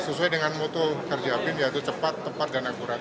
sesuai dengan mutu kerja bin yaitu cepat tepat dan akurat